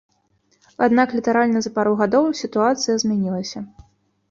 Аднак літаральна за пару гадоў сітуацыя змянілася.